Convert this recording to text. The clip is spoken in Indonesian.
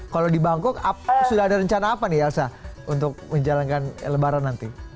kalau di bangkok sudah ada rencana apa nih elsa untuk menjalankan lebaran nanti